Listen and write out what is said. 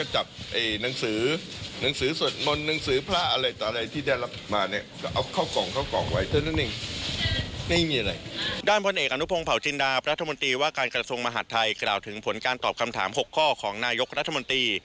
ผลเอกอนุพงศ์เผาจินดารัฐมนตรีว่าการกระทรวงมหาดไทยกล่าวถึงผลการตอบคำถาม๖ข้อของนายกรัฐมนตรี